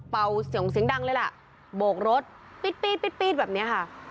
เป่าเสียงเสียงดังเลยล่ะโบกรถปีดปีดปีดปีดแบบเนี้ยค่ะ